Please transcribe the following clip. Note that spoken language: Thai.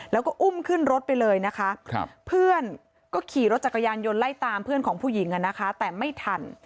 แล้วก็อุ้มขึ้นรถไปเลยนะคะเพื่อนก็ขี่รถจักรยานยนต์ไล่ตามเพื่อนของผู้หญิงนะคะแต่ไม่ทัน